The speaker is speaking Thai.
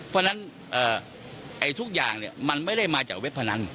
เพราะฉะนั้นทุกอย่างมันไม่ได้มาจากเว็บพนัน